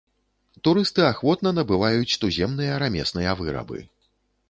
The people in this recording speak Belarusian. Турысты ахвотна набываюць туземныя рамесныя вырабы.